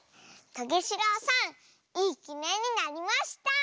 トゲしろうさんいいきねんになりました！